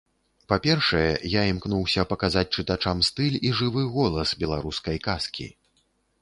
Па-першае, я імкнуўся паказаць чытачам стыль і жывы голас беларускай казкі.